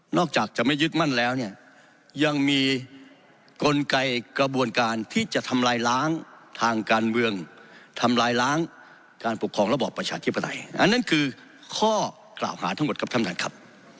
จากจะไม่ยึดมั่นแล้วเนี่ยยังมีกลไกกระบวนการที่จะทำลายล้างทางการเมืองทำลายล้างการปกครองระบอบประชาธิปไตยอันนั้นคือข้อกล่าวหาทั้งหมดครับท่านท่านครับ